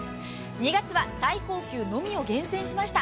２月は最高級のみを厳選しました。